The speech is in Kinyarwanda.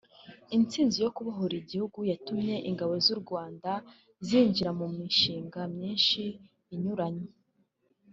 Intsinzi yo kubohora igihugu yatumye Ingabo z’u Rwanda zinjira mu mishinga myinshi inyuranye